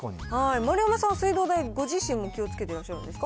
丸山さん、水道代、ご自身も気をつけてらっしゃるんですか？